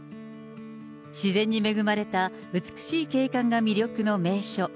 自然に恵まれた美しい景観が魅力の名所。